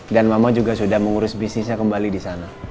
dan mama juga sudah mengurus bisnisnya kembali di sana